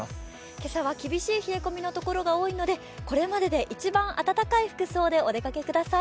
今朝は厳しい冷え込みの所が多いのでこれまでで一番暖かい服装でお出かけください。